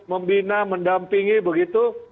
membina mendampingi begitu